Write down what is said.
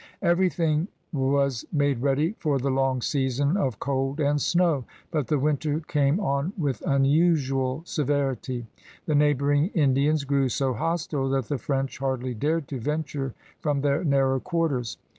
Everything was made ready for the long season of cold and snow, but the winter came on with unusual severity. The neighboring Indians grew so hostile that the French hardly dared to venture from their narrow quarters.